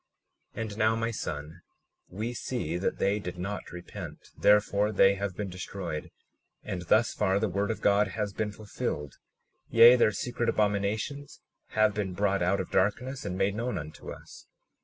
37:26 And now, my son, we see that they did not repent; therefore they have been destroyed, and thus far the word of God has been fulfilled; yea, their secret abominations have been brought out of darkness and made known unto us.